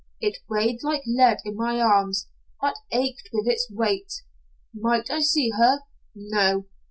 It weighed like lead in my arms, that ached with its weight. Might I see her? No.